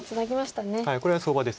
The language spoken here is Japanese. これは相場です。